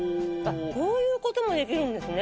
こういう事もできるんですね。